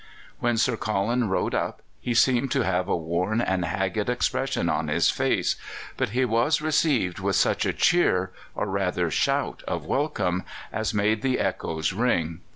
When Sir Colin rode up he seemed to have a worn and haggard expression on his face, but he was received with such a cheer, or rather shout of welcome, as made the echoes ring.